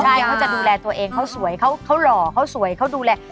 ใช่เขาจะดูแลตัวเองเขาสวยเขาหล่อเขาสวยเขาดูแล